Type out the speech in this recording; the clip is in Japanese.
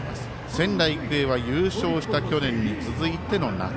仙台育英は優勝した去年に続いての夏。